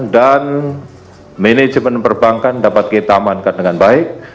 dan manajemen perbankan dapat kita amankan dengan baik